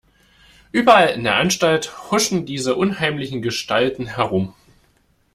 Überall in der Anstalt huschen diese unheimlichen Gestalten herum.